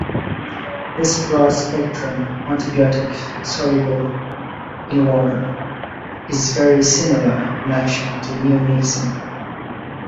This broad-spectrum antibiotic soluble in water, is very similar in action to neomycin.